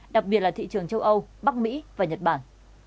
đặc biệt là thị trường châu âu bắc mỹ và nhật bản